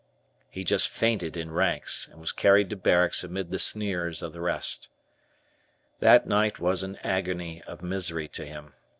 He just fainted in ranks, and was carried to barracks amid the sneers of the rest. That night was an agony of misery to him.